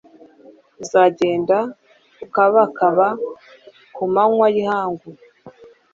uzagenda ukabakaba ku manywa y'ihangu